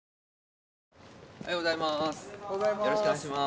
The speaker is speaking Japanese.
おはようございます。